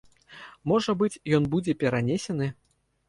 Можа быць, ён будзе перанесены.